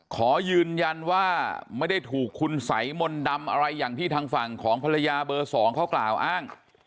ขอยืนยันว่าไม่ได้ถูกคุณสัยมนต์ดำอะไรอย่างที่ทางฝั่งของภรรยาเบอร์๒เขากล่าวอ้าง